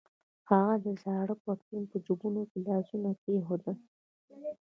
هغه د زاړه پتلون په جبونو کې لاسونه کېښودل.